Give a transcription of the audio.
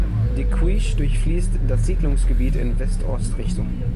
Die Queich durchfließt das Siedlungsgebiet in West-Ost-Richtung.